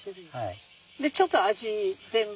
ちょっと味全部。